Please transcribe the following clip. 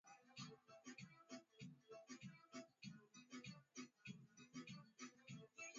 oparesheni ya kijeshi yaliyoongozwa na wanajeshi wa Tanzania